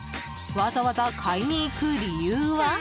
わざわざ買いに行く理由は？